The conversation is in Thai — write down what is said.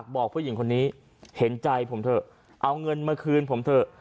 บอกผู้หญิงคนนี้เห็นใจผมเถอะเอาเงินมาคืนผมเถอะ